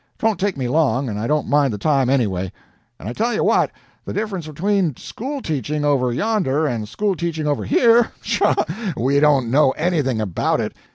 'Twon't take me long, and I don't mind the time, anyway. And I tell you what! the difference between school teaching over yonder and school teaching over here sho! WE don't know anything about it!